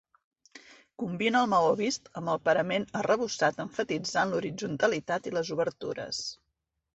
Combina el maó vist amb el parament arrebossat emfatitzant l'horitzontalitat i les obertures.